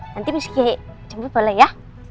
nanti miss gigi jemput boleh ya